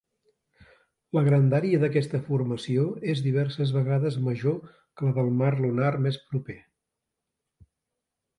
La grandària d'aquesta formació és diverses vegades major que la del mar lunar més proper.